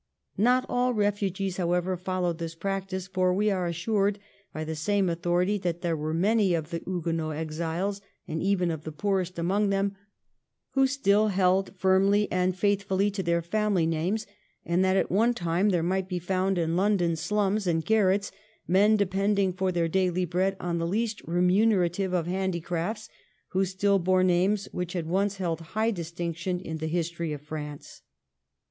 Not all refugees, however, followed this practice, for we are assured by the same authority that there were many of the Huguenot exiles, and even of the poorest among them, who still held firmly and faithfully to their family names, and that at one time there might be found in London slums and garrets men depending for their daily bread on the least remunerative of handicrafts who still bore names which had once held high distinction in the history of France.